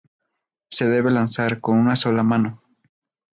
Se debe lanzar con una sola mano.